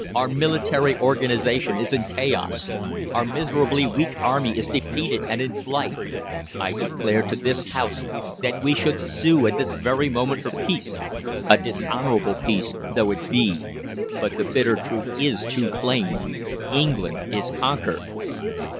Our military organisation is in chaos, our miserably weak army is defeated and in flight. I declare to this House that we should sue at this very moment for peace a dishonourable peace though it be; but the bitter truth is too plain England is conquered!"